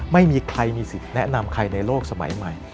ไม่มีใครมีสิทธิ์แนะนำใครในโลกสมัยใหม่